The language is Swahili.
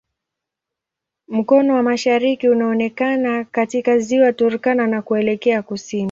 Mkono wa mashariki unaonekana katika Ziwa Turkana na kuelekea kusini.